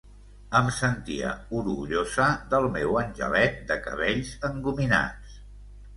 Em sentia orgullosa del meu angelet de cabells engominats.